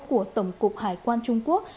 của tổng cục hải quan trung quốc